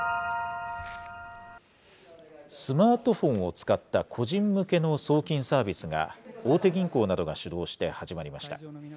スマートフォンを使った個人向けの送金サービスが、大手銀行などが主導して始まりました。